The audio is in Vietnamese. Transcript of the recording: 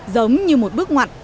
giống như một bước ngoặt